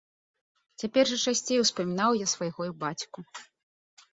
Цяпер жа часцей успамінаў я свайго бацьку.